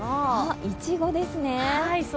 いちごですね。